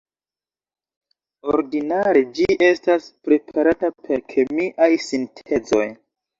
Ordinare ĝi estas preparata per kemiaj sintezoj.